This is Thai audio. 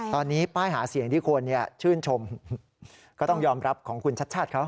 ตอนนี้ป้ายหาเสียงที่คนชื่นชมก็ต้องยอมรับของคุณชัดชาติเขา